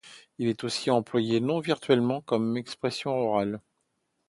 Il est aussi employé non virtuellement comme expression orale.